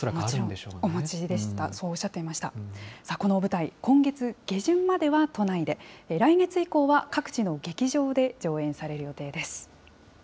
この舞台、今月下旬まで都内で、来月以降は各地の劇場で上演される予定です。